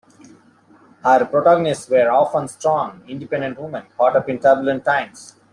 Her protagonists were often strong, independent women caught up in turbulent times.